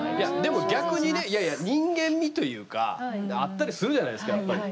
でも逆にね、いやいや人間味というかあったりするじゃないですか、やっぱり。